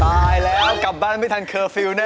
ตายแล้วกลับบ้านไม่ทันเคอร์ฟิลลแน